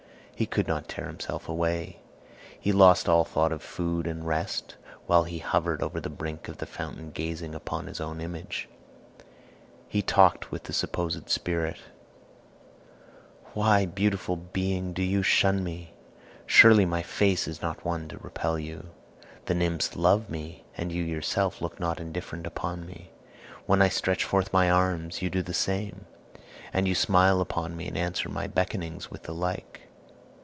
He could not tear himself away; he lost all thought of food or rest, while he hovered over the brink of the fountain gazing upon his own image. He talked with the supposed spirit: "Why, beautiful being, do you shun me? Surely my face is not one to repel you. The nymphs love me, and you yourself look not indifferent upon me. When I stretch forth my arms you do the same; and you smile upon me and answer my beckonings with the like."